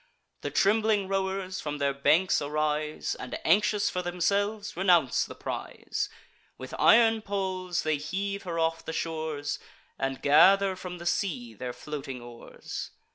The trembling rowers from their banks arise, And, anxious for themselves, renounce the prize. With iron poles they heave her off the shores, And gather from the sea their floating oars.